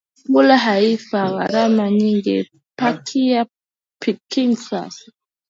Kula haifai gharama nyingi Pakia picnic sasa